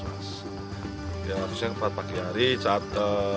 harusnya kepad pagi hari catur